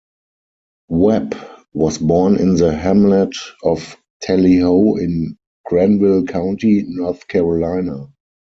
Webb was born in the hamlet of Tally Ho in Granville County, North Carolina.